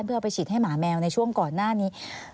เพื่อเอาไปฉีดให้หมาแมวในช่วงก่อนหน้านี้